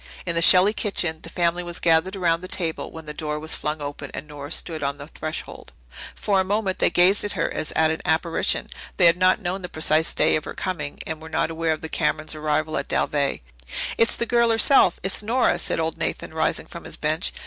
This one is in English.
In the Shelley kitchen the family was gathered around the table, when the door was flung open and Nora stood on the threshold. For a moment they gazed at her as at an apparition. They had not known the precise day of her coming and were not aware of the Camerons' arrival at Dalveigh. "It's the girl herself. It's Nora," said old Nathan, rising from his bench.